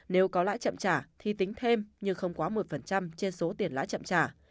nếu có lãi chậm trả thì tính thêm nhưng không quá một trên số tiền lãi chậm trả